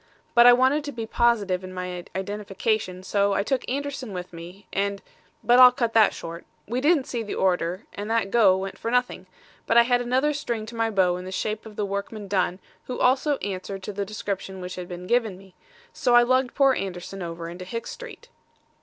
But I wanted to be positive in my identification, so I took Anderson with me, and but I'll cut that short. We didn't see the orator and that 'go' went for nothing; but I had another string to my bow in the shape of the workman Dunn who also answered to the description which had been given me; so I lugged poor Anderson over into Hicks Street.